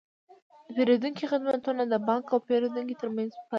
د پیرودونکو خدمتونه د بانک او پیرودونکي ترمنځ پل دی۔